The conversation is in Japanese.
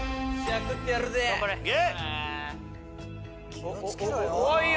気を付けろよ！